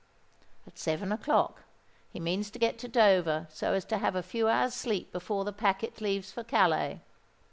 "At seven o'clock. He means to get to Dover so as to have a few hours' sleep before the packet leaves for Calais."